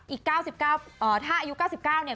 อีก๙๙ถ้าอายุ๙๙